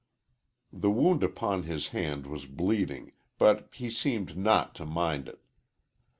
The wound upon his hand was bleeding, but he seemed not to mind it.